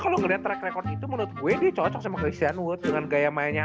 kalau ngelihat track record itu menurut gue dia cocok sama christian wood dengan gaya mainnya